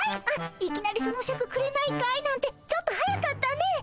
あっいきなり「そのシャクくれないかい？」なんてちょっと早かったね。